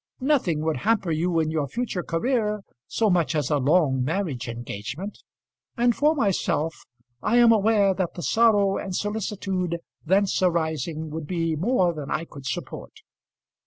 Nothing would hamper you in your future career so much as a long marriage engagement; and for myself, I am aware that the sorrow and solicitude thence arising would be more than I could support.